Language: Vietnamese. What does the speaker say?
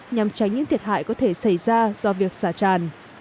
nhằm tránh những thiệt hại có thể xảy ra do việc xả tràn